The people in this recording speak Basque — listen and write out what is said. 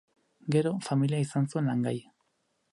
Gero, familia izan zuen langai.